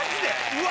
うわ！